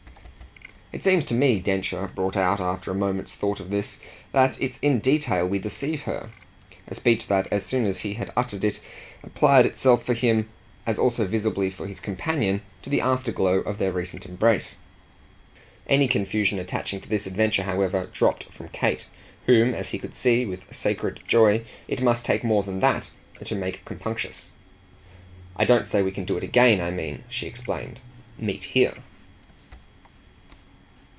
"It seems to me," Densher brought out after a moment's thought of this, "that it's in detail we deceive her" a speech that, as soon as he had uttered it, applied itself for him, as also visibly for his companion, to the afterglow of their recent embrace. Any confusion attaching to this adventure, however, dropped from Kate, whom, as he could see with sacred joy, it must take more than that to make compunctious. "I don't say we can do it again. I mean," she explained, "meet here."